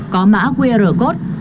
có mã qr code